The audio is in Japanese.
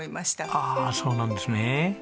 ああそうなんですね。